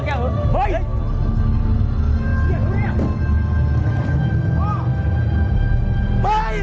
เจ้าพวกนี้อยากติดเว้ย